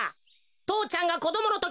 とうちゃんがこどものとき